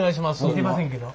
似てませんけど。